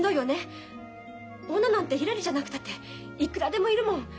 女なんてひらりじゃなくたっていくらでもいるもん。